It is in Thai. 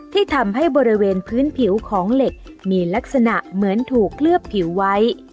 ที่ทำให้บริเวณพื้นผิวของเหล็กมีลักษณะเหมือนถูกเคลือบผิวไว้